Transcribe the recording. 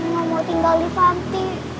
iya ibu gak mau tinggal di panti